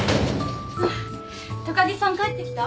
高木さん帰ってきた？